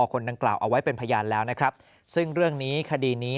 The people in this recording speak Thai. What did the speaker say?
คนดังกล่าวเอาไว้เป็นพยานแล้วนะครับซึ่งเรื่องนี้คดีนี้